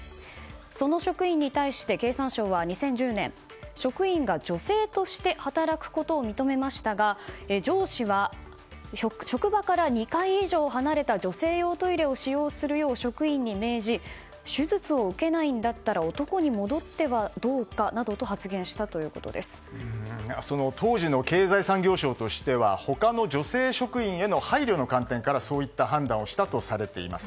その職員に対して、経産省は２０１０年、職員が女性として働くことを認めましたが上司は、職場から２階以上離れた女性用トイレを使用するよう職員に命じ手術を受けないんだったら男に戻ってはどうかなどと当時の経済産業省としては他の女性職員への配慮の観点からそういった判断をしたとされています。